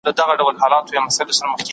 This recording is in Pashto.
اوږدمهاله فشار اضطراب زیاتوي.